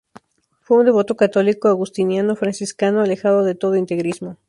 Fue un devoto católico, agustiniano-franciscano, alejado de todo integrismo.